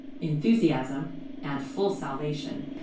ENTHUSIASM AND FULL SALVATION.